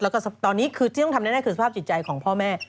แล้วก็ตอนนี้คือที่ต้องทำแน่คือสภาพจิตใจของพ่อแม่